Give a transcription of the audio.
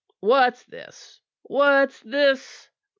What's this? What's this?"